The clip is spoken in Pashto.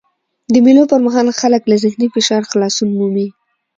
د مېلو پر مهال خلک له ذهني فشار خلاصون مومي.